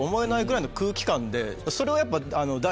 それをやっぱ。